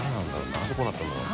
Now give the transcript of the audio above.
何でこうなったんだろう？